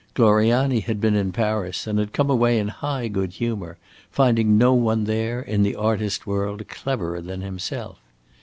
Gloriani had been in Paris and had come away in high good humor, finding no one there, in the artist world, cleverer than himself.